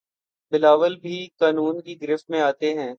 بلاول بھی قانون کی گرفت میں آتے ہیں